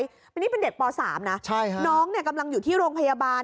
อันนี้เป็นเด็กป๓นะน้องเนี่ยกำลังอยู่ที่โรงพยาบาล